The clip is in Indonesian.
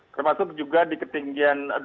termasuk juga di ketinggian dua ribu feet